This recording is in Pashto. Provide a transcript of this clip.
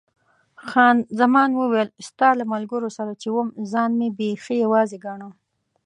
خان زمان وویل، ستا له ملګرو سره چې وم ځان مې بیخي یوازې ګاڼه.